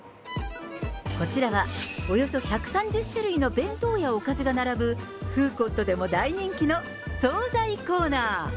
こちらはおよそ１３０種類の弁当やおかずが並ぶ、フーコットでも大人気の総菜コーナー。